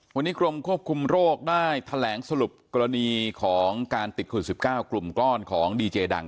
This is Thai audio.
วันนี้กรมควบคุมโรคได้แถลงสรุปกรณีของการติดโควิด๑๙กลุ่มก้อนของดีเจดัง